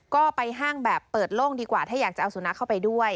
ก็ไปห้างแบบเปิดโล่งดีกว่าถ้าอยากจะเอาสุนัขเข้าไปด้วย